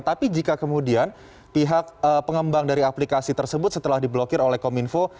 tapi jika kemudian pihak pengembang dari aplikasi tersebut setelah diblokir oleh kominfo